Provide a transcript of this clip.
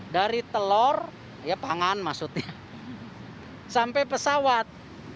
dari telur pangan maksudnya sampai pesawat